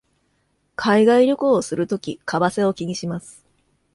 海外旅行をするとき為替を気にします